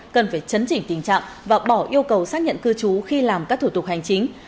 cần phải chấn chỉnh tình trạng và bỏ yêu cầu xác nhận cư trú khi làm các thủ tục hành chính